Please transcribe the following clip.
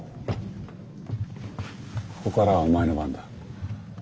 ここからはお前の番だ。